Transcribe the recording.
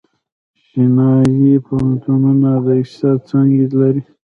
چینايي پوهنتونونه د اقتصاد څانګې لري.